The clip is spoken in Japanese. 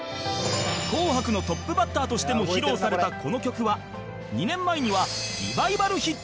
『紅白』のトップバッターとしても披露されたこの曲は２年前にはリバイバルヒット